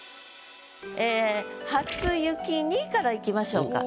ええ「初雪に」からいきましょうか。